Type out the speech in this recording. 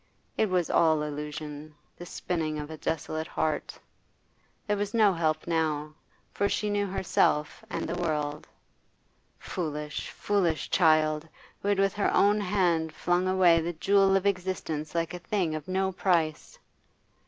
It was all illusion, the spinning of a desolate heart. There was no help now, for she knew herself and the world. Foolish, foolish child, who with her own hand had flung away the jewel of existence like a thing of no price!